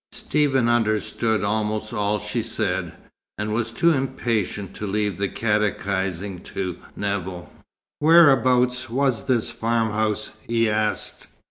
Stephen understood almost all she said, and was too impatient to leave the catechizing to Nevill. "Whereabouts was this farmhouse?" he asked.